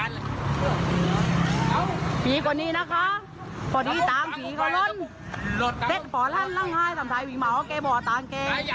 ล่วงล่วงล่วง